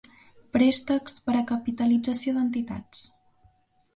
Préstecs per a capitalització d'entitats.